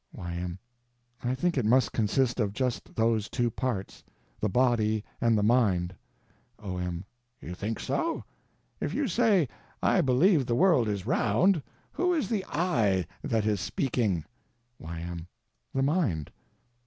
Y.M. I think it must consist of just those two parts—the body and the mind. O.M. You think so? If you say "I believe the world is round," who is the "I" that is speaking? Y.M. The mind.